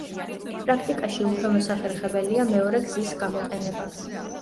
პრაქტიკაში უფორ მოსახერხებელია მეორე გზის გამოყენება.